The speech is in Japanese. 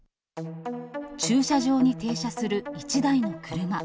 駐車場に停車する一台の車。